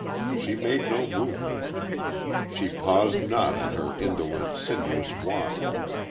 She made no movement. She paused not in her indolent, sinuous walk.